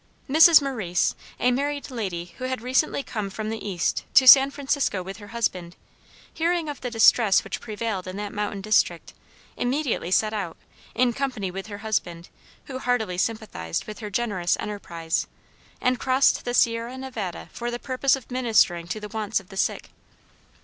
Mrs. Maurice, a married lady who had recently come from the east to San Francisco with her husband, hearing of the distress which prevailed in that mountain district, immediately set out, in company with her husband, who heartily sympathized with her generous enterprise, and crossed the Sierra Nevada for the purpose of ministering to the wants of the sick.